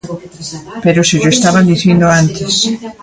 ¡Pero se llo estaban dicindo antes!